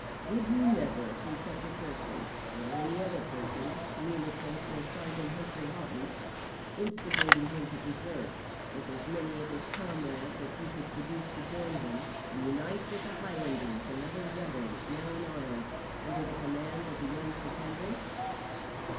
'Did you never through such a person, or any other person, communicate with Sergeant Humphry Houghton, instigating him to desert, with as many of his comrades as he could seduce to join him, and unite with the Highlanders and other rebels now in arms under the command of the Young Pretender?'